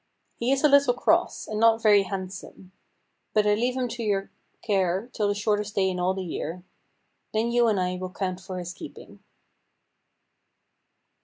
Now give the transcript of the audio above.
He is a little cross, and not very handsome; but I leave him to your care till the shortest day in all the year. Then you and I will count for his keeping."